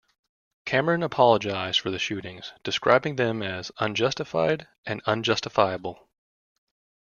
Cameron apologised for the shootings, describing them as "unjustified and unjustifiable".